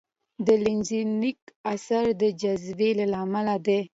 د لینزینګ اثر د جاذبې له امله دی.